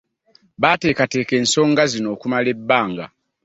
Baateekateeka ensonga zino okumala ebbanga.